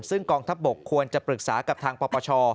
ซึ่งกองทัพบกควรจะปรึกษากับทางปปช